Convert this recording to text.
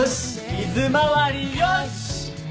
水回りよし！